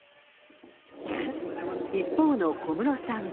一方の小室さんは。